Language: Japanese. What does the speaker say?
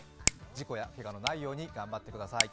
事故やけがのないように頑張ってください。